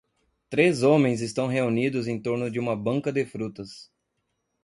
Três homens estão reunidos em torno de uma banca de frutas.